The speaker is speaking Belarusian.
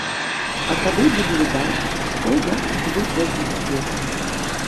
А тады будзе відаць, што як і куды пойдзе на свеце.